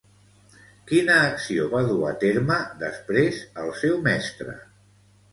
Quina acció va dur a terme després el seu mestre?